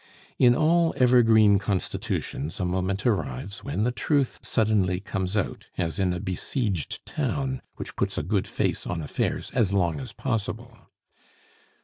In all evergreen constitutions a moment arrives when the truth suddenly comes out, as in a besieged town which puts a good face on affairs as long as possible.